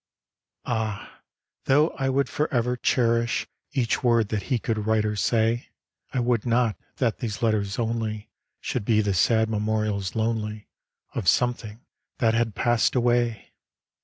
'^ Ah ! though I would for ever cherish Each word that He could write or say, I would not that these letters only Should be the sad memorials lonely Of something that had pass'd away